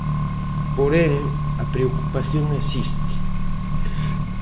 Porén, a preocupación existe.